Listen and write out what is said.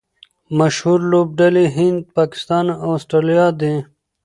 مشهوره لوبډلي هند، پاکستان او اسټرالیا دي.